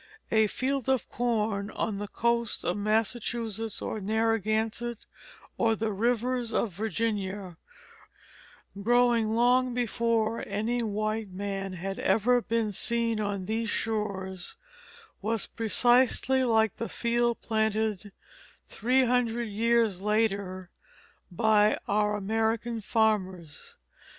A field of corn on the coast of Massachusetts or Narragansett or by the rivers of Virginia, growing long before any white man had ever been seen on these shores, was precisely like the same field planted three hundred years later by our American farmers.